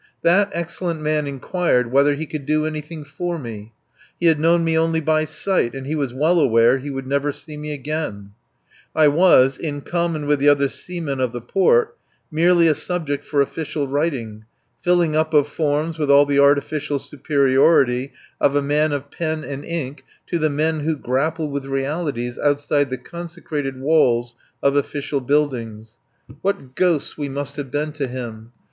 That excellent man enquired whether he could do anything for me. He had known me only by sight, and he was well aware he would never see me again; I was, in common with the other seamen of the port, merely a subject for official writing, filling up of forms with all the artificial superiority of a man of pen and ink to the men who grapple with realities outside the consecrated walls of official buildings. What ghosts we must have been to him!